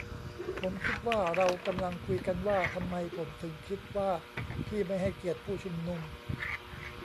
ผมคิดว่าเรากำลังคุยกันว่าทำไมผมถึงคิดว่าพี่ไม่ให้เกียรติผู้ชุมนุม